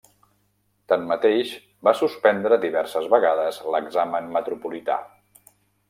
Tanmateix, va suspendre diverses vegades l'examen metropolità.